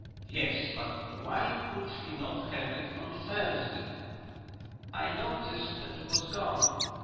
"Yes, but why could he not have it on Thursday?" "I noticed that it was gone.